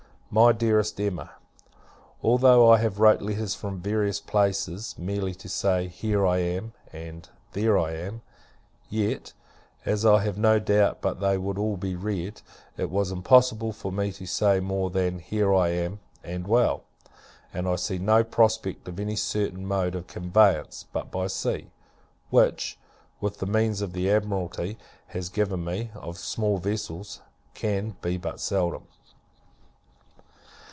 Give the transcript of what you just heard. MY DEAREST EMMA, Although I have wrote letters from various places, merely to say "Here I am," and "There I am;" yet, as I have no doubt but that they would all be read, it was impossible for me to say more than "Here I am, and well:" and I see no prospect of any certain mode of conveyance, but by sea; which, with the means the Admiralty has given me, of small vessels, can be but seldom.